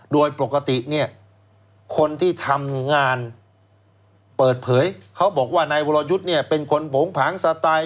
โดยปกติเนี่ยคนที่ทำงานเปิดเผยเขาบอกว่านายวรยุทธ์เนี่ยเป็นคนโผงผางสไตล์